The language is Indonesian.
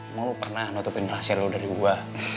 emang lo pernah notepin rahasia lu dari gua